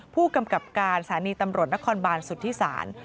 ผู้กำกับการสถานีตำรวจนครบานสุธิศาล